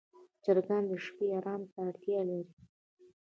چرګان د شپې آرام ته اړتیا لري.